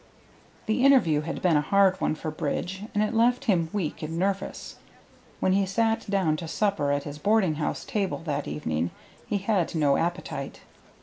The interview had been a hard one for Bridge, and it left him weak and nervous. When he sat down to supper at his boarding house table that evening he had no appetite.